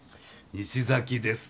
西崎です。